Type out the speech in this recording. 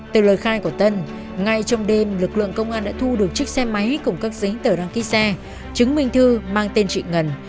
từ lời khai của tân ngay trong đêm lực lượng công an đã thu được chiếc xe máy cùng các giấy tờ đăng ký xe chứng minh thư mang tên chị ngân